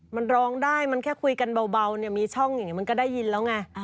มันร้องได้มันแค่คุยกันเบาเนี่ยมีช่องอย่างนี้มันก็ได้ยินแล้วไง